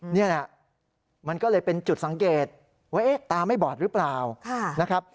นี่มันก็เลยเป็นจุดสังเกตว่าตาไม่บอดหรือเปล่า